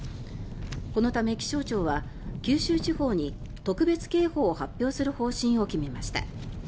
このため気象庁は九州地方に特別警報を発表する方針を決めました。